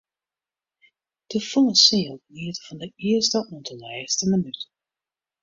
De folle seal geniete fan de earste oant de lêste minút.